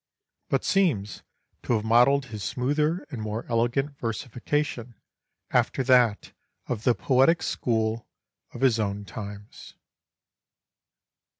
but seems to have modelled his smoother and more elegant versification after that of the poetic school of his own times.